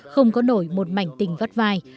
không có nổi một mảnh tình vắt vai